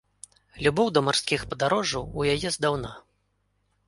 Любоў да марскіх падарожжаў у яе здаўна.